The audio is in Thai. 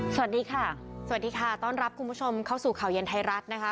สวัสดีค่ะสวัสดีค่ะต้อนรับคุณผู้ชมเข้าสู่ข่าวเย็นไทยรัฐนะคะ